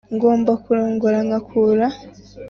ngomba kurongora nkakura